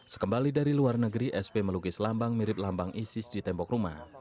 sekembali dari luar negeri sp melukis lambang mirip lambang isis di tembok rumah